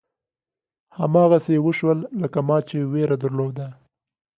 هماغسې وشول لکه ما چې وېره درلوده.